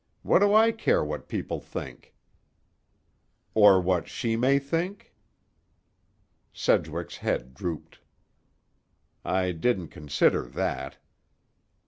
What do I care what people think?" "Or what she may think?" Sedgwick's head drooped. "I didn't consider that."